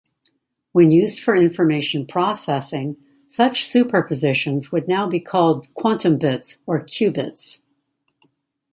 When used for information processing, such superpositions would now be called "quantumbits" or qubits.